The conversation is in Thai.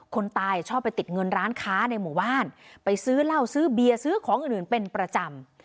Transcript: คนตายชอบไปติดเงินร้านค้าในหมู่บ้านไปซื้อเหล้าซื้อเบียร์ซื้อของอื่นเป็นประจำ